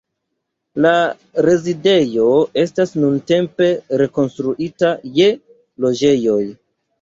La rezidejo estas nuntempe rekonstruita je loĝejoj.